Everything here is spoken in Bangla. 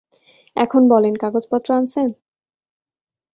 এখন বলেন, কাগজপত্র আনছেন?